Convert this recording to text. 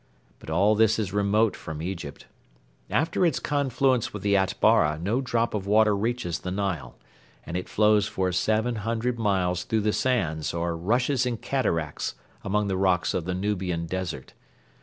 But all this is remote from Egypt. After its confluence with the Atbara no drop of water reaches the Nile, and it flows for seven hundred miles through the sands or rushes in cataracts among the rocks of the Nubian desert.